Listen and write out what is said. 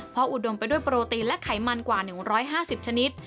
พออุดมไปด้วยโปรตีนและไขมันกว่า๑๕๐ชนิด